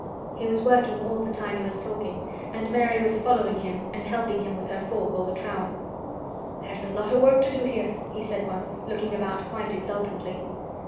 He was working all the time he was talking and Mary was following him and helping him with her fork or the trowel. "There's a lot of work to do here!" he said once, looking about quite exultantly.